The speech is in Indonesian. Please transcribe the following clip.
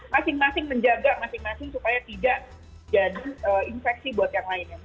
masing masing menjaga masing masing supaya tidak jadi infeksi buat yang lainnya